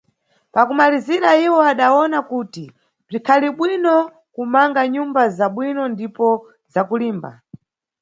Pakumalizira, iwo adawona kuti bzikhalibwino kumanga nyumba za bwino ndipo za kulimba.